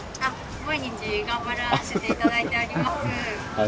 毎日頑張らせていただいております。